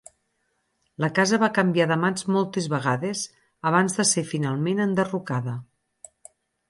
La casa va canviar de mans moltes vegades abans de ser finalment enderrocada.